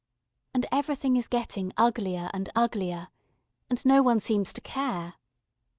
And everything is getting uglier and uglier. And no one seems to care.